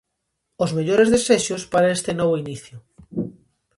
Os mellores desexos para este novo inicio.